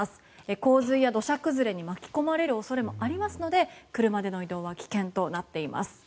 洪水や土砂崩れに巻き込まれる恐れもありますので車での移動は危険となっています。